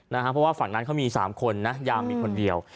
เพราะว่าฝั่งนั้นเขามี๓คนนะยางมีคนเดียว